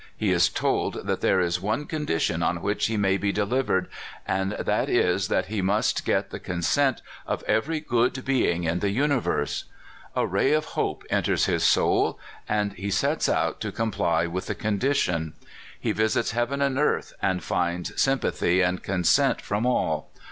He is told that there is one condition on which he may be delivered, and that is that he must get the consent of every good being in the universe. A ray of hope enters his soul, and he 96 CALIFORNIA SKETCHES. sets out to comply with the condition. He visits heaven and earth, and finds sympathy and consent from all.